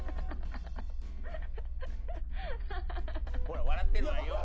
ほら笑ってるわよ。